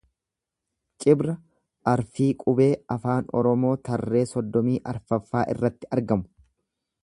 Cibra arfii qubee Afaan Oromoo tarree soddomii arfaffaaffaa irratti argamu.